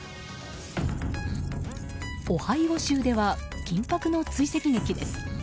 オハイオ州では緊迫の追跡劇です。